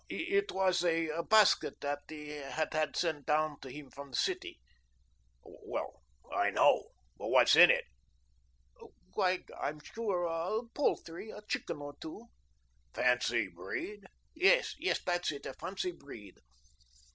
"It was a basket that he had had sent down to him from the city." "Well, I know but what's in it?" "Why I'm sure ah, poultry a chicken or two." "Fancy breed?" "Yes, yes, that's it, a fancy breed."